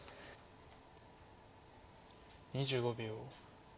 ２５秒。